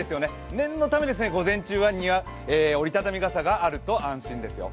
念のため、午前中は折り畳み傘があると安心ですよ。